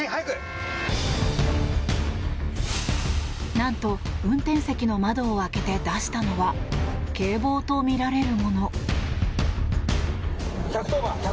何と、運転席の窓を開けて出したのは警棒とみられるもの。